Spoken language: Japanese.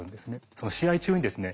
その試合中にですね